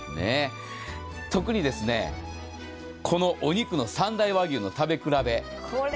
特に、このお肉の３大和牛の食べ比べ。